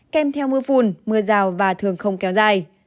kem theo mưa phùn mưa rào và thường không kéo dài